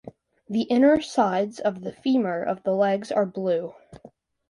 The inner sides of the femur of the legs are blue.